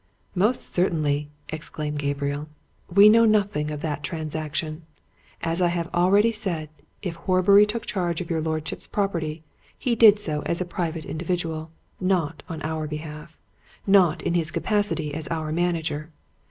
"Most certainly!" exclaimed Gabriel. "We know nothing of that transaction. As I have already said, if Horbury took charge of your lordship's property, he did so as a private individual, not on our behalf, not in his capacity as our manager.